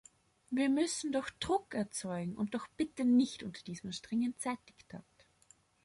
Wir müssen doch Druck erzeugen, und doch bitte nicht unter diesem strengen Zeitdiktat!